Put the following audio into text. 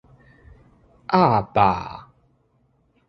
壓霸